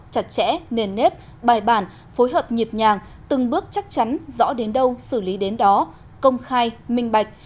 chặt chẽ nền nếp bài bản phối hợp nhịp nhàng từng bước chắc chắn rõ đến đâu xử lý đến đó công khai minh bạch